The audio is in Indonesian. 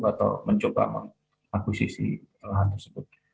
atau mencoba mengakuisisi lahan tersebut